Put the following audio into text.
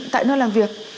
tại nơi làm việc